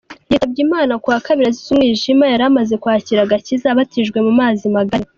Yitabye Imana kuwa Kabiri azize umwijima yaramaze kwakira agakiza, abatijwe mu mazi magari.